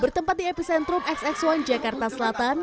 bertempat di epicentrum xx satu jakarta selatan